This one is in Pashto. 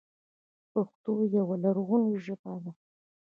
پښتو یوه لرغوني ژبه ده.